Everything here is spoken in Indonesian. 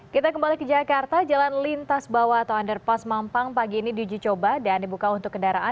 kita kembali ke jakarta jalan lintas bawah atau underpass mampang pagi ini diuji coba dan dibuka untuk kendaraan